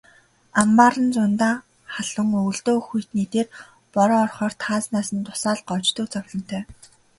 Амбаар нь зундаа халуун, өвөлдөө хүйтний дээр бороо орохоор таазнаас нь дусаал гоождог зовлонтой.